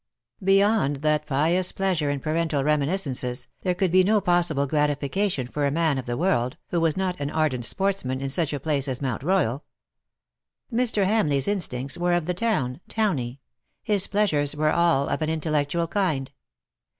Beyond that pious pleasure in parental reminiscences, there could be no possible gratifica tion for a man of the world, who was not an ardent sportsman, in such a place as Mount Royal. Mr. Hamleigh's instincts were of the town, towny. His pleasures were all of an intellectual kind.